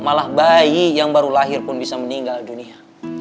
malah bayi yang baru lahir pun bisa meninggal dunia